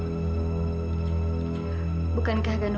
kau sudah melamar applies entah mengapa kamu